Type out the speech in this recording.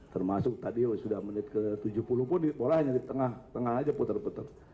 termasuk tadi sudah menit ke tujuh puluh pun di polanya di tengah tengah saja putar putar